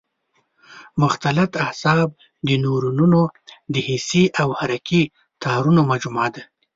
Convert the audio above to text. مختلط اعصاب د نیورونونو د حسي او حرکي تارونو مجموعه ده.